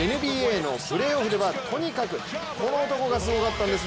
ＮＢＡのプレーオフではとにかくこの男がすごかったんです。